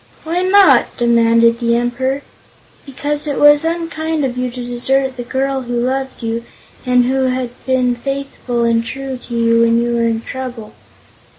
"Why not?" demanded the Emperor. "Because it was unkind of you to desert the girl who loved you, and who had been faithful and true to you when you were in trouble.